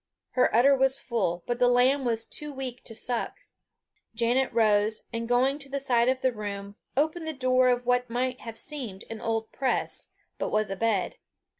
Her udder was full, but the lamb was too weak to suck. Janet rose, and going to the side of the room, opened the door of what might have seemed an old press, but was a bed.